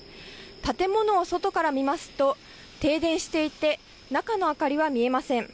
建物を外から見ますと停電していて中の明かりは見えません。